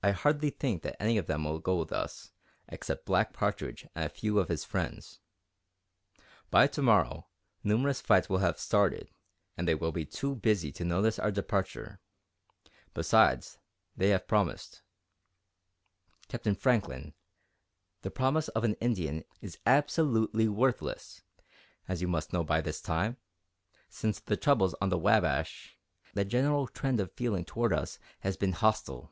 "I hardly think that any of them will go with us, except Black Partridge and a few of his friends. By to morrow, numerous fights will have started, and they'll be too busy to notice our departure. Besides, they have promised." "Captain Franklin, the promise of an Indian is absolutely worthless, as you must know by this time. Since the troubles on the Wabash, the general trend of feeling toward us has been hostile.